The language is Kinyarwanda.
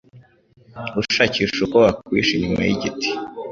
ushakisha uko wakwihisha inyuma y'igiti.